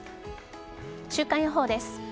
週間予報です。